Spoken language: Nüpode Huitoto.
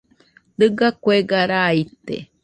Dɨga kuega raa ite.